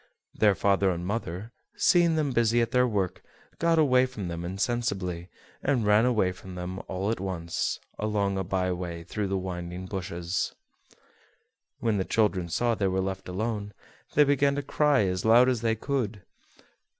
Their father and mother, seeing them busy at their work, got away from them insensibly, and ran away from them all at once, along a by way through the winding bushes. When the children saw they were left alone, they began to cry as loud as they could.